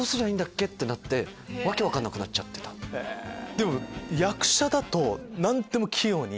でも。